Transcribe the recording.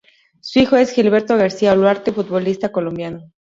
Su hijo es Gilberto García Olarte futbolista Colombiano.